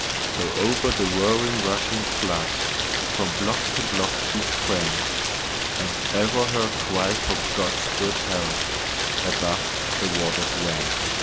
So over the roaring rushing flood, From block to block she sprang, And ever her cry for God's good help Above the waters rang.